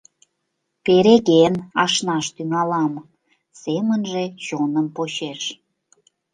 «Переген ашнаш тӱҥалам, — семынже чоным почеш.